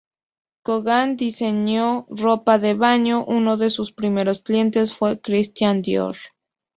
Kogan diseñó ropa de baño, uno de sus primeros clientes fue Christian Dior.